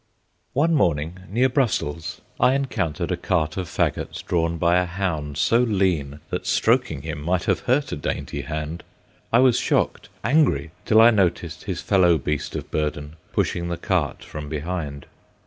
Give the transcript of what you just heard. One morning, near Brussels, I encountered a cart of faggots, drawn by a hound so lean that stroking him might have hurt a dainty hand. I was shocked—angry, till I noticed his fellow beast of burden pushing the cart from behind.